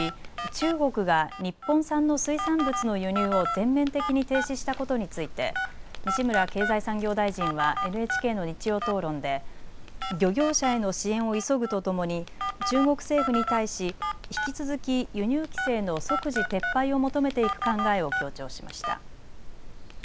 中国が日本産の水産物の輸入を全面的に停止したことについて西村経済産業大臣はＮＨＫの日曜討論で漁業者への支援を急ぐとともに中国政府に対し引き続き輸入規制の即時撤廃を求めていく考えを強調しました。